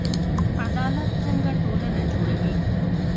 عدالت څنګه ټولنه جوړوي؟